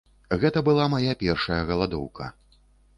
Гэта была мая першая галадоўка.